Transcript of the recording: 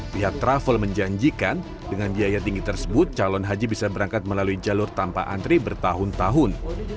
pihak travel menjanjikan dengan biaya tinggi tersebut calon haji bisa berangkat melalui jalur tanpa antri bertahun tahun